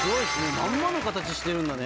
まんまの形してるんだね。